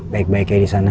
baik baiknya di sana